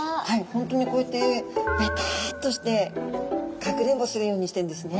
本当にこうやってベタッとしてかくれんぼするようにしてるんですね。